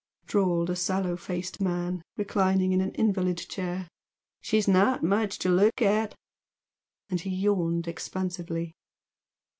drawled a sallow faced man, reclining in an invalid chair "She's not much to look at!" And he yawned expansively.